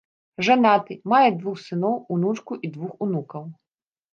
Жанаты, мае двух сыноў, унучку і двух унукаў.